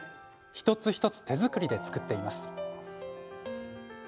一つ一つ、手作りで作っています。